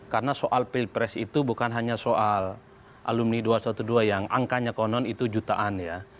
karena soal pilpres itu bukan hanya soal alumni dua ratus dua belas yang angkanya konon itu jutaan ya